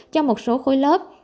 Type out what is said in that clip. cho một số khối lớp